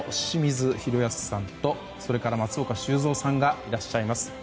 清水宏保さんと松岡修造さんがいらっしゃいます。